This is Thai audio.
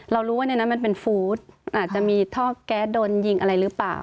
เรารู้ว่าในนั้นมันเป็นฟู้ดอาจจะมีท่อแก๊สโดนยิงอะไรหรือเปล่า